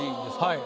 はい。